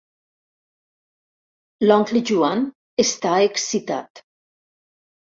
L'oncle Joan està excitat.